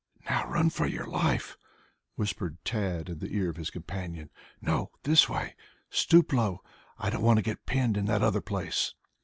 "Now run for your life!" whispered Tad in the ear of his companion. "No, this way. Stoop low. I don't want to get pinned in that other place."